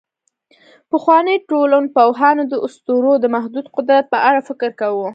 پخواني ټولنپوهان د اسطورو د محدود قدرت په اړه فکر کاوه.